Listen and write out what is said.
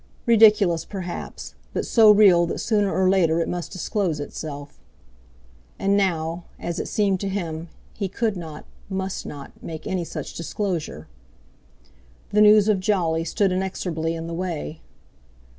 Ridiculous, perhaps, but so real that sooner or later it must disclose itself. And now, as it seemed to him, he could not, must not, make any such disclosure. The news of Jolly stood inexorably in the way.